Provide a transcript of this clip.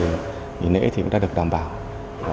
trong ba ngày nghỉ lễ thì cũng đã được đảm bảo